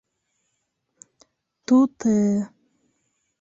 Ту-ты!